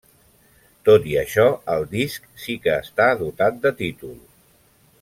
Tot i això el disc sí que està dotat de títol: